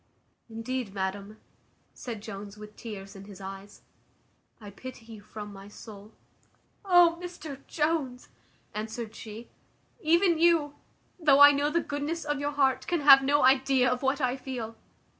"Indeed, madam," said Jones, with tears in his eyes, "I pity you from my soul." "O! Mr Jones," answered she, "even you, though I know the goodness of your heart, can have no idea of what I feel.